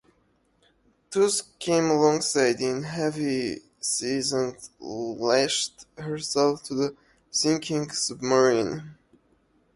"Tusk" came alongside in heavy seas and lashed herself to the sinking submarine.